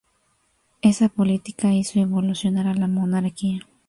Esa política hizo evolucionar a la Monarquía.